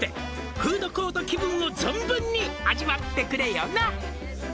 「フードコート気分を存分に味わってくれよな」